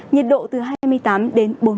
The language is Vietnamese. nhiệt độ từ hai mươi tám đến bốn mươi độ